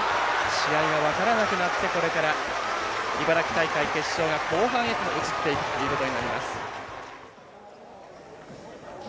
試合が分からなくなってこれから茨城大会決勝の後半へと移っていくということになります。